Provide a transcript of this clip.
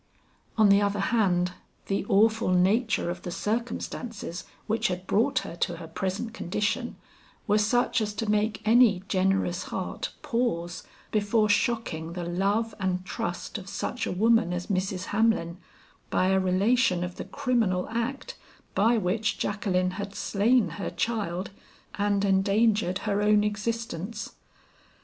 On the other hand, the awful nature of the circumstances which had brought her to her present condition, were such as to make any generous heart pause before shocking the love and trust of such a woman as Mrs. Hamlin, by a relation of the criminal act by which Jacqueline had slain her child and endangered her own existence.